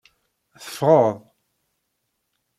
Teffɣeḍ.